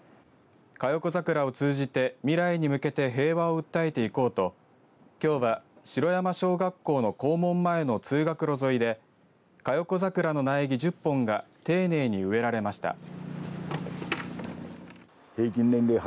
嘉代子桜を通じて未来に向けて平和を訴えていこうときょうは城山小学校の校門前の通学路沿いで嘉代子桜の苗木１０本が丁寧に植えられました。